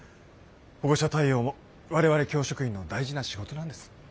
保護者対応も我々教職員の大事な仕事なんです。